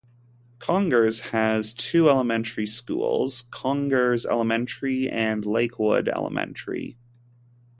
Congers has two elementary schools, Congers Elementary and Lakewood Elementary.